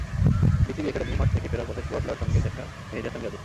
BCB academy মাঠ থেকে ফেরার পথে স্টুয়ার্ট ল-এর সঙ্গে দেখা মেহেদী হাসান মিরাজের।